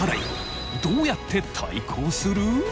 どうやって対抗する？